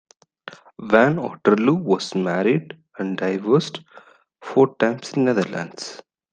Van Otterloo was married and divorced four times in the Netherlands.